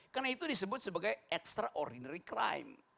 karena itu disebut sebagai extraordinary crime